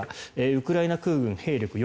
ウクライナ空軍兵力